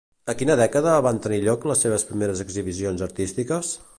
A quina dècada van tenir lloc les seves primeres exhibicions artístiques?